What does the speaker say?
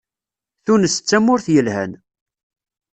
Tunes d tamurt yelhan.